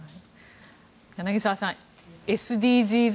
柳澤さんＳＤＧｓ